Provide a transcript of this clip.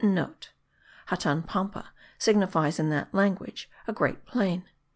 *(* Hatan Pampa signifies in that language, a great plain.